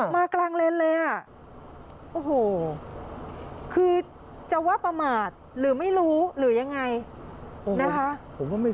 มากลางเลนเลยอ่ะโอ้โหคือจะว่าประมาทหรือไม่รู้หรือยังไงนะคะ